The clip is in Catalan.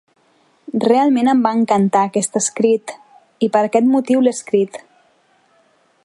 Realment em va encantar aquest escrit i per aquest motiu li he escrit.